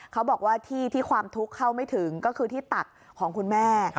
เขาบอกว่าที่ที่ความทุกข์เข้าไม่ถึงก็คือที่ตักของคุณแม่